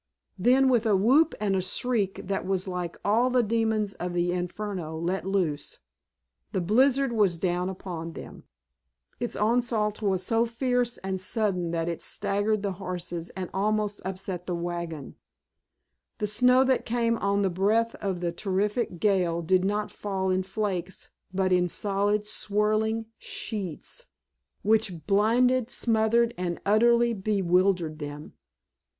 Then, with a whoop and a shriek that was like all the demons of the Inferno let loose, the blizzard was down upon them. Its onslaught was so fierce and sudden that it staggered the horses and almost upset the wagon. The snow that came on the breath of the terrific gale did not fall in flakes, but in solid whirling sheets, which blinded, smothered, and utterly bewildered them.